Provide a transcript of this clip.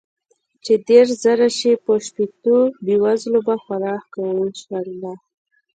چې ديرش زره شي په شپيتو بې وزلو به خوراک کو ان شاء الله.